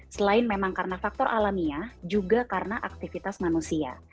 selain memang karena faktor alamiah juga karena aktivitas manusia